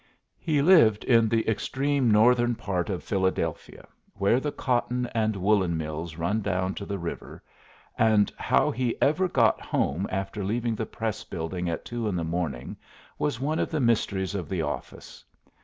He lived in the extreme northern part of Philadelphia, where the cotton and woollen mills run down to the river, and how he ever got home after leaving the Press building at two in the morning, was one of the mysteries of the office.